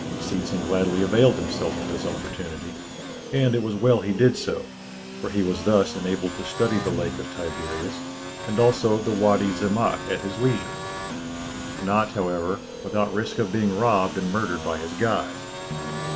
Seetzen gladly availed himself of this opportunity; and it was well he did so, for he was thus enabled to study the Lake of Tiberias and also the Wady Zemmâk at his leisure, not, however, without risk of being robbed and murdered by his guide.